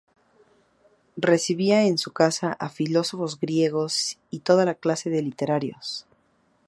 Recibía en su casa a filósofos griegos y toda clase de literatos.